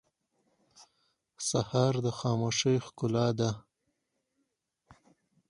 سهار د خاموشۍ ښکلا ده.